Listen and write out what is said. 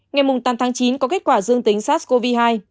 ngày tám tháng chín có kết quả dương tính sars cov hai